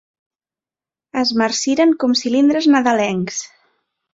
Es marciren com cilindres nadalencs.